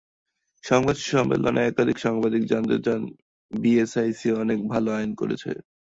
সংবাদ সম্মেলনে একাধিক সাংবাদিক জানতে চান, বিএসইসি অনেক ভালো আইন করেছে।